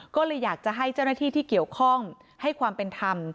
ก็เลยอยากจะให้เจ้าหน้าที่ที่เกี่ยวข้องให้ความเป็นธรรม